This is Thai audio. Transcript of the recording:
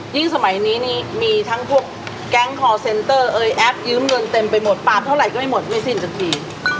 สมัยนี้นี่มีทั้งพวกแก๊งคอร์เซ็นเตอร์เอยแอปยืมเงินเต็มไปหมดปามเท่าไหร่ก็ไม่หมดไม่สิ้นสักที